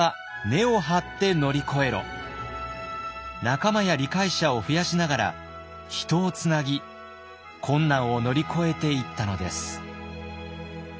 仲間や理解者を増やしながら人をつなぎ困難を乗り越えていったのです。